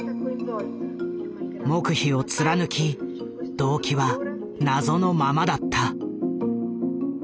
黙秘を貫き動機は謎のままだった。